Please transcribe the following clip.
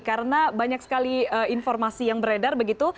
karena banyak sekali informasi yang beredar begitu